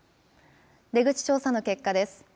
出口調査の結果です。